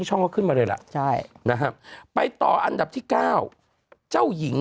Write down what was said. ช่องก็ขึ้นมาเลยล่ะใช่นะฮะไปต่ออันดับที่เก้าเจ้าหญิง